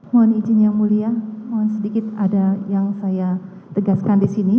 mohon izin yang mulia mohon sedikit ada yang saya tegaskan di sini